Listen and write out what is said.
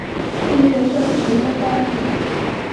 杜月笙十分高兴。